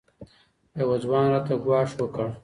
یوه ځوان راته ګواښ وکړ